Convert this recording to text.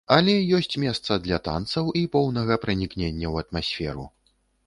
Але ёсць месца для танцаў і поўнага пранікнення ў атмасферу.